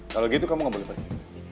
kalau gitu kamu nggak boleh pergi